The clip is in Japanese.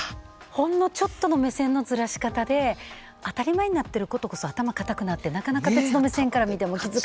ほんのちょっとの目線のずらし方で当たり前になってることこそ頭固くなってなかなか別の目線から見ても気づかない。